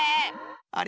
あれ？